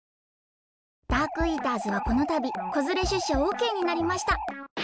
ダークイーターズはこのたびこづれしゅっしゃオッケーになりました。